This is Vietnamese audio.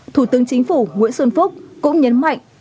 thủ tướng chính phủ nguyễn xuân phúc cũng nhấn mạnh